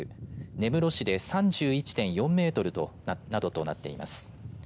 根室市で３１．４メートルなどとなっています。